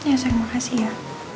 ya sayang makasih ya